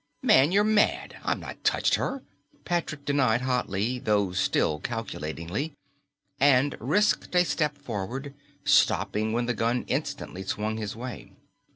"Man, you're mad; I've not touched her!" Patrick denied hotly though still calculatingly, and risked a step forward, stopping when the gun instantly swung his way.